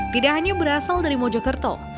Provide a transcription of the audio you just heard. tidak hanya berasal dari mojokerto